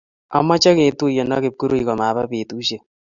Amache ketuyen ak Kipkirui amapa petusyek.